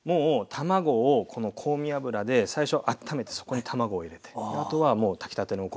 卵をこの香味油で最初あっためてそこに卵を入れてあとはもう炊きたてのお米。